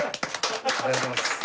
ありがとうございます。